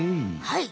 はい。